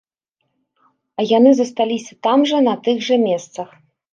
А яны засталіся там жа, на тых жа месцах.